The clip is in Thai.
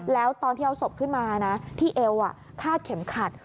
แล้วตอนที่เอาศพขึ้นมานะที่เอวคาดเข็มขัด